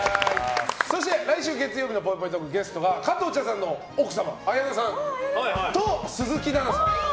そして来週月曜日のぽいぽいトークのゲストは加藤茶さんの奥様・綾菜さんと鈴木奈々さん。